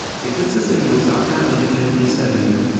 Ihr Sitz ist in Lusaka, Independence Avenue.